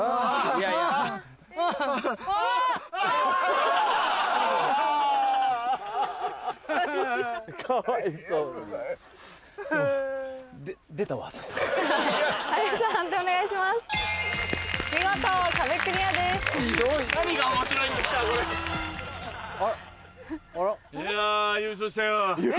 いや優勝したよ。